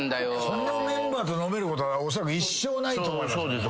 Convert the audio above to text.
このメンバーと飲めることはおそらく一生ないと思います。